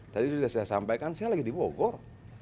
tadi sudah saya sampaikan saya lagi diwogor